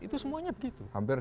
itu semuanya begitu hampir